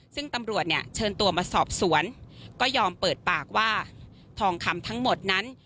ซึ่งตำรวจเนี่ยเชิญตัวมาสอบสวนก็ยอมเปิดปากว่าทองคำทั้งหมดนั้น